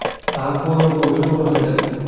তাহার কর্ম ক্রমশ প্রবল হইতে থাকে।